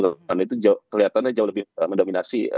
jadi perhitungan perhitungan itu kelihatannya jauh lebih mendominasi